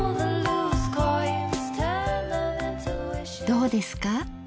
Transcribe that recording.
どうですか？